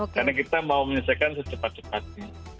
karena kita mau menyelesaikan secepat cepatnya